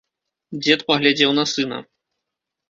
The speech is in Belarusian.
Дзед паглядзеў на сына.